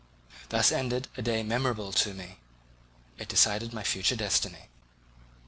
Thus ended a day memorable to me; it decided my future destiny.